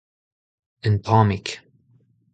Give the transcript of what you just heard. un tammig.